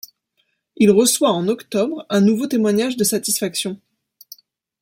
Il reçoit en octobre un nouveau témoignage de satisfaction.